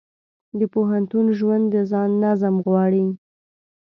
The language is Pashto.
د پوهنتون ژوند د ځان نظم غواړي.